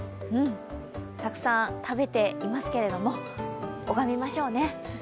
たくさん食べていますけれども、拝みましょうね。